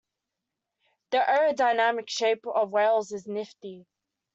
The aerodynamic shape of whales is nifty.